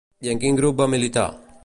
I en quin grup va militar?